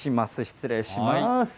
失礼します。